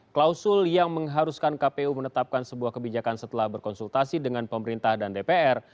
klausul yang mengharuskan kpu menetapkan sebuah kebijakan setelah berkonsultasi dengan pemerintah dan dpr